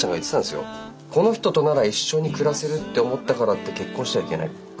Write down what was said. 「この人となら一緒に暮らせるって思ったからって結婚してはいけない。